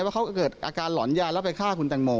ว่าเขาเกิดอาการหลอนยาแล้วไปฆ่าคุณแตงโม